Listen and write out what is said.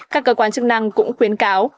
các cơ quan chức năng cũng khuyến cáo